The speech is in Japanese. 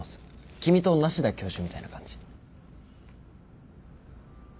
君と梨多教授みたいな感じ。